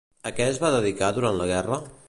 A què es va dedicar durant la Guerra?